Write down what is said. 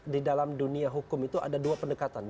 di dalam dunia hukum itu ada dua pendekatan